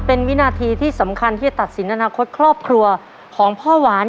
เป็นวินาทีที่สำคัญที่จะตัดสินอนาคตครอบครัวของพ่อหวาน